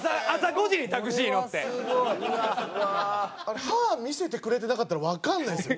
あれ歯見せてくれてなかったらわかんないですよ